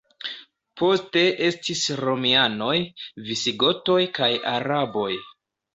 Poste estis romianoj, visigotoj kaj araboj.